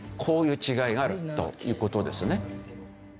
こういう違いがあるという事ですね。